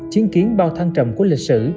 chứng kiến bao thăng trầm của lịch sử